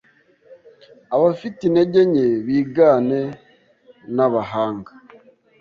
Abafite intege nke bigane n’abahanga